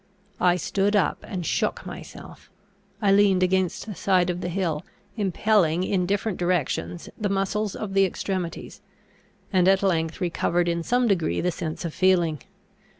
I stood up and shook myself; I leaned against the side of the hill, impelling in different directions the muscles of the extremities; and at length recovered in some degree the sense of feeling.